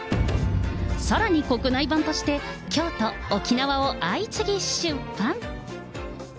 さらに国内版として、京都、沖縄を相次ぎ出版。